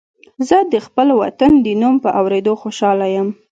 زه د خپل وطن د نوم په اورېدو خوشاله یم